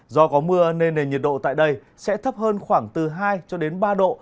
do có mưa nên nền nhiệt độ tại đây sẽ thấp hơn khoảng từ hai ba độ